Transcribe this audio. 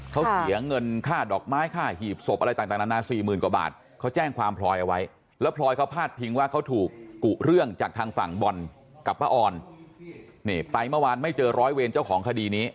เขาเสียเงินค่าดอกไม้ค่าหีบศพอะไรต่างนานาสี่หมื่นกว่าบาทเขาแจ้งความพลอยเอาไว้แล้วพลอยเขาพาดพิงว่าเขาถูกกุเรื่องจากทางฝั่งบอลกับป้าออนนี่ไปเมื่อวานไม่เจอร้อยเวรเจ้าของคดีนี้